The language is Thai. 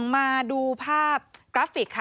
มาดูภาพกระฟิก